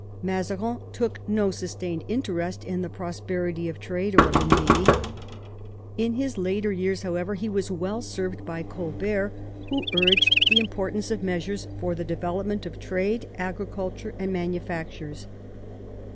Mazarin took no sustained interest in the prosperity of trade or of the navy. In his later years, however, he was well served by Colbert, who urged the importance of measures for the development of trade, agriculture, and manufactures.